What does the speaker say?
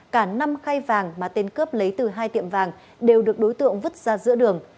cả năm khay vàng mà tên cướp lấy từ hai tiệm vàng đều được đối tượng vứt ra giữa đường